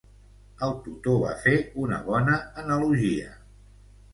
El tutor va fer una bona analogia.